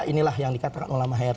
inilah yang dikatakan ulama khair